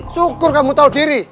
syukur kamu tahu diri